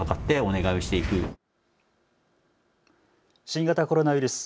新型コロナウイルス。